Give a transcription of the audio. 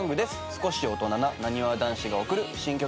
少し大人ななにわ男子が送る新曲